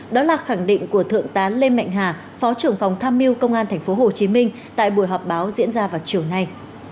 đó là khẳng định của thượng tá lê mạnh hà phó trưởng phòng tham mưu công an tp hcm tại buổi họp báo diễn ra vào chiều nay